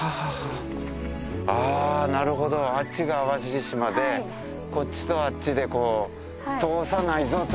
あぁなるほどあっちが淡路島でこっちとあっちで通さないぞと。